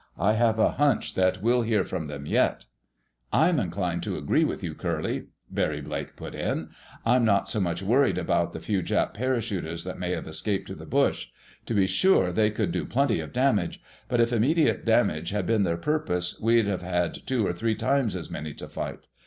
I have a hunch that we'll hear from them yet." "I'm inclined to agree with you, Curly," Barry Blake put in. "I'm not so much worried about the few Jap parachutists that may have escaped to the bush. To be sure, they could do plenty of damage. But if immediate damage had been their purpose, we'd have had two or three times as many to fight.